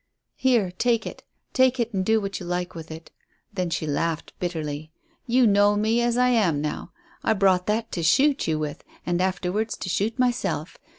"Here, take it. Take it, and do what you like with it" Then she laughed bitterly. "You know me as I am now. I brought that to shoot you with, and afterwards to shoot myself.